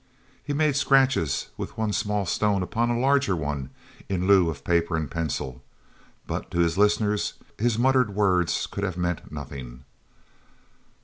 He made scratches with one small stone upon a larger one in lieu of paper and pencil, but, to his listeners, his muttered words could have meant nothing.